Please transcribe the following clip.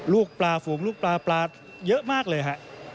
ลูกปลาฝูงลูกปลาปลาเยอะมากเลยฮะ